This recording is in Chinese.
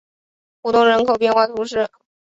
古东人口变化图示